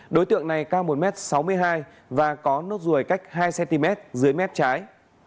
đối tượng này cao một m sáu mươi hai và có nốt ruồi cách hai cm dưới mép trái